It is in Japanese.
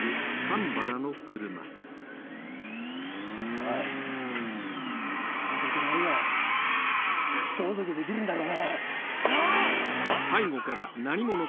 おいホントにこの俺が相続できるんだろうな！？